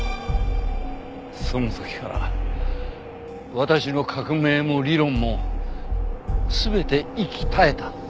その時から私の革命も理論も全て息絶えた。